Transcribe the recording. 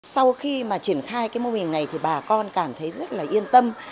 sau khi mà triển khai cái mô hình này thì bà con cảm thấy rất là yên tâm